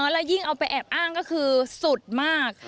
แล้วยิ่งเอาไปแอบอ้างก็คือสุดมาก